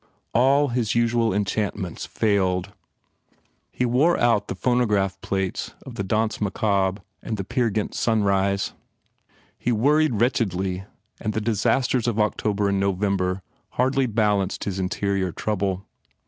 All his usual enchantments failed. He wore out the phonograph plates of the Danse Macabre and the Peer Gynt "Sunrise." He worried wretchedly and the disasters of October and November hardly balanced his interior trouble.